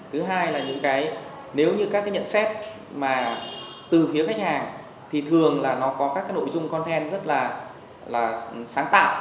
thứ hai là những cái nếu như các cái nhận xét mà từ phía khách hàng thì thường là nó có các cái nội dung con then rất là sáng tạo